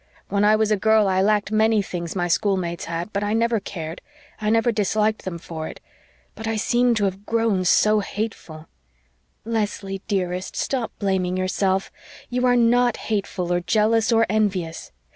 When I was a girl I lacked many things my schoolmates had, but I never cared I never disliked them for it. But I seem to have grown so hateful " "Leslie, dearest, stop blaming yourself. You are NOT hateful or jealous or envious.